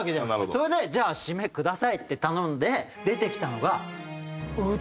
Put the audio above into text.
それで「じゃあシメください」って頼んで出てきたのがう